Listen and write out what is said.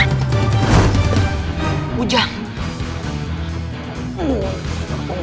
tuh siar putraku